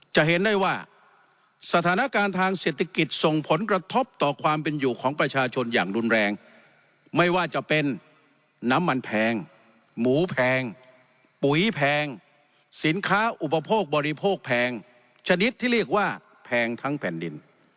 จะเห็นได้ว่าสถานการณ์ทางเศรษฐกิจส่งผลกระทบต่อความเป็นอยู่ของประชาชนอย่างรุนแรงไม่ว่าจะเป็นน้ำมันแพงหมูแพงปุ๋ยแพงสินค้าอุปโภคบริโภคแพงชนิดที่เรียกว่าแพงทั้งแผ่นดิน